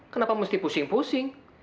kenapa mesti pusing pusing